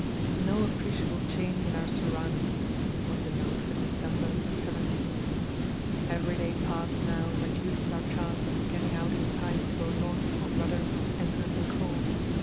"No appreciable change in our surroundings," was the note for December 17. "Every day past now reduces our chance of getting out in time to go north for rudder, anchors, and coal.